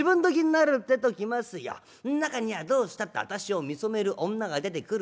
中にはどうしたって私を見初める女が出てくる。